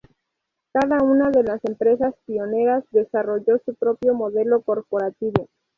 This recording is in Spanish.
Cada una de las empresas Pioneras desarrolló su propio modelo corporativo.